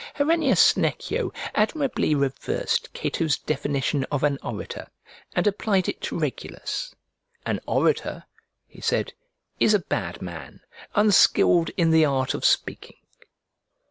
Herennius Senecio admirably reversed Cato's definition of an orator, and applied it to Regulus: "An orator," he said, "is a bad man, unskilled in the art of speaking."